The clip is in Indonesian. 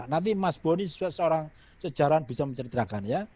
nanti mas boni seorang sejarawan bisa menceritakan ya